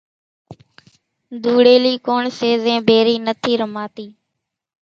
ڌوڙيلي ڪوڻ سي زين ڀيري نٿي رماتي